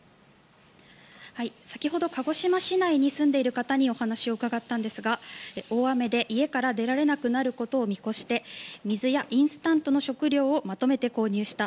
先ほど、鹿児島市内に住んでいる方にお話を伺ったんですが大雨で、家から出られなくなることを見越して水やインスタントの食料をまとめて購入した。